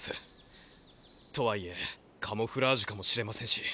とはいえカモフラージュかもしれませんし。